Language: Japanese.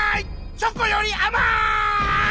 チョコよりあまい！